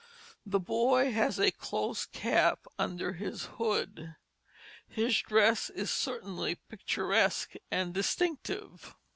The boy has a close cap under his hood. His dress is certainly picturesque and distinctive.